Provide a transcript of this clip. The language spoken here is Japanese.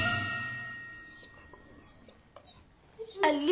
あ！